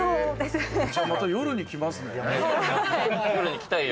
じゃ、また夜にきますね。